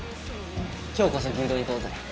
今日こそ牛丼行こうぜ。